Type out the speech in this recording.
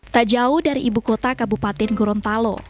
tak jauh dari ibu kota kabupaten gorontalo